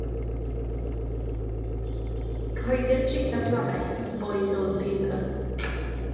Cyhoeddir y traethawd gorau yn y Boy's Own Paper.